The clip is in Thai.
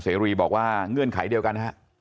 เสรีบอกว่าเงื่อนไขเดียวกันฮะ